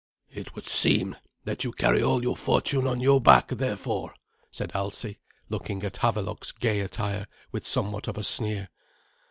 "It would seem that you carry all your fortune on your back, therefore," said Alsi, looking at Havelok's gay attire with somewhat of a sneer.